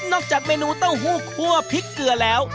จากเมนูเต้าหู้คั่วพริกเกลือแล้ว